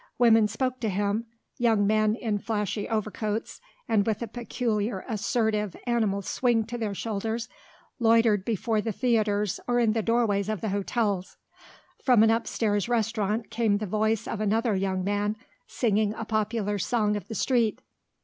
Women spoke to him; young men in flashy overcoats and with a peculiar, assertive, animal swing to their shoulders loitered before the theatres or in the doorways of the hotels; from an upstairs restaurant came the voice of another young man singing a popular song of the street.